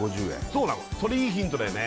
そうなのそれいいヒントだよね